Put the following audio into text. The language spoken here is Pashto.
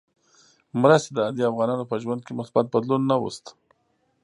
مرستې د عادي افغانانو په ژوند کې مثبت بدلون نه وست.